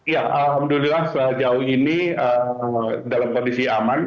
ya alhamdulillah sejauh ini dalam kondisi aman